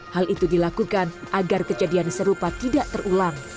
hal itu dilakukan agar kejadian serupa tidak terulang